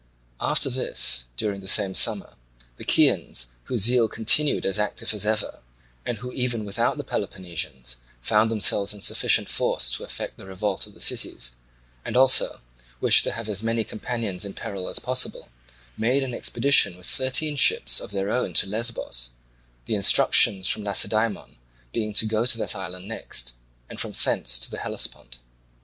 After this, during the same summer, the Chians, whose zeal continued as active as ever, and who even without the Peloponnesians found themselves in sufficient force to effect the revolt of the cities and also wished to have as many companions in peril as possible, made an expedition with thirteen ships of their own to Lesbos; the instructions from Lacedaemon being to go to that island next, and from thence to the Hellespont.